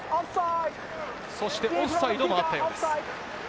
そしてオフサイドもあったようです。